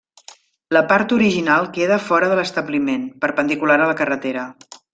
La part original queda fora de l'establiment, perpendicular a la carretera.